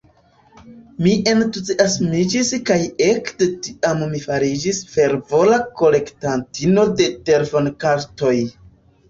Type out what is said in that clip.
Mi entuziasmiĝis kaj ekde tiam mi fariĝis fervora kolektantino de telefonkartoj.